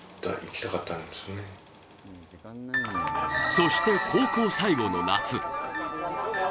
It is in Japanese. そして、高校最後の夏。